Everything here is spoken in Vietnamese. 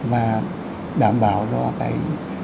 và đảm bảo do cái